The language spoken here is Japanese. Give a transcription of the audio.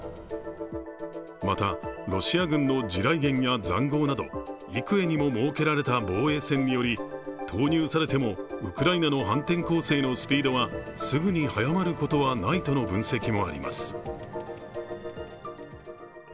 また、ロシア軍の地雷原やざんごうなど幾重にも設けられた防衛線によりエイブラムスは投入されてもウクライナの判定攻勢のスピードはすぐに早まることはないとの分析もあります